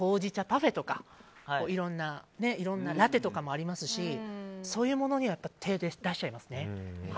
パフェとかいろんなラテとかもありますしそういうものには手を出しちゃいますね。